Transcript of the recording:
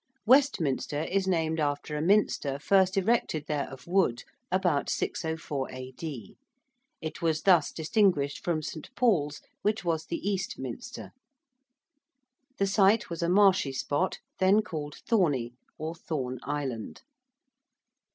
~Westminster~ is named after a minster first erected there of wood about 604 A.D.: it was thus distinguished from St. Paul's, which was the 'East Minster.' The site was a marshy spot, then called Thorney, or Thorn Island.